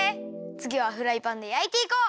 つぎはフライパンでやいていこう！